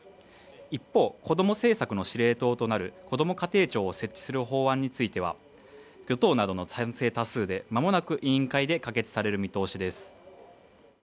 一方子ども政策の司令塔となるこども家庭庁を設置する法案については与党などの賛成多数でまもなく委員会で可決される見通しです